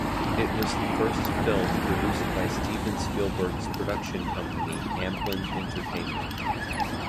It was the first film produced by Steven Spielberg's production company Amblin Entertainment.